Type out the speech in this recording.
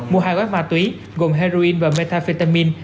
mua hai gói ma túy gồm heroin và metafetamin